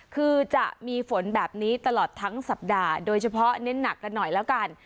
คือจะมีฝนแบบนี้ตลอดทั้งสัปดาห์โดยเฉพาะเน้นหนักกันหน่อยแล้วกัน